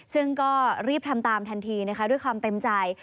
ซึ่งก็รีบทำตามทันทีนะคะด้วยความเต็มใจ